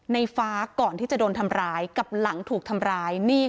ในฟ้าก่อนที่จะโดนทำร้ายกับหลังถูกทำร้าย